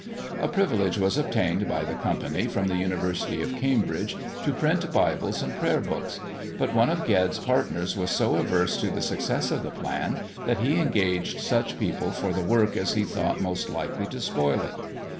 A privilege was obtained by the company, from the University of Cambridge, to print Bibles and Prayer books; but one of Ged's partners was so averse to the success of the plan, that he engaged such people for the work as he thought most likely to spoil it.